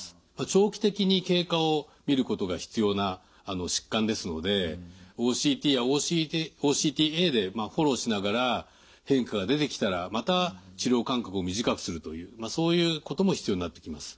長期的に経過をみることが必要な疾患ですのでＯＣＴやＯＣＴＡでフォローしながら変化が出てきたらまた治療間隔を短くするというそういうことも必要になってきます。